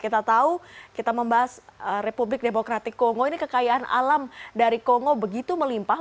kita tahu kita membahas republik demokratik kongo ini kekayaan alam dari kongo begitu melimpah